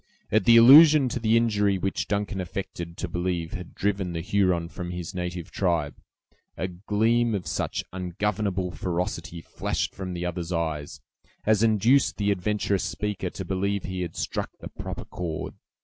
At the allusion to the injury which Duncan affected to believe had driven the Huron from his native tribe, a gleam of such ungovernable ferocity flashed from the other's eyes, as induced the adventurous speaker to believe he had struck the proper chord.